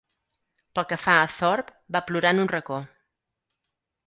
Pel que fa a Thorpe, va plorar en un racó.